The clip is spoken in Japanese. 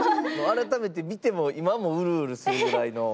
改めて見ても今もウルウルするぐらいの。